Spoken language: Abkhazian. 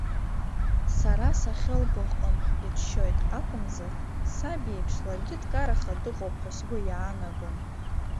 Сара сахьылбо аҟынтә дыччоит акәымзар, саб иеиԥш ларгьы дкараха дыҟоуп ҳәа сгәы иаанагон.